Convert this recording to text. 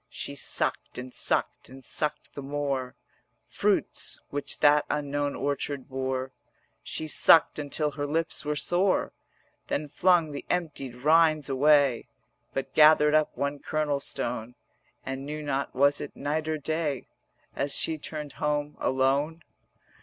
She sucked and sucked and sucked the more Fruits which that unknown orchard bore; She sucked until her lips were sore; Then flung the emptied rinds away But gathered up one kernel stone, And knew not was it night or day As she turned home alone.